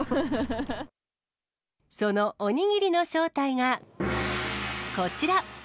そのおにぎりの正体が、こちら。